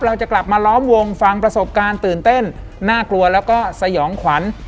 เราจะกลับมาล้อมวงฟังประสบการณ์ตื่นเต้นน่ากลัวแล้วก็สยองขวัญ